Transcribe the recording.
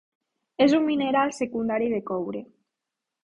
És un mineral secundari de coure.